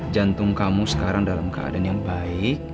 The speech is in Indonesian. jantung kamu sekarang dalam keadaan yang baik